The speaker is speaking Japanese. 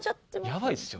やばいですよ。